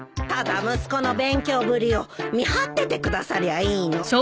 ただ息子の勉強ぶりを見張っててくださりゃいいの。